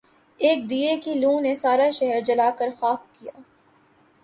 ایک دیے کی لو نے سارا شہر جلا کر خاک کیا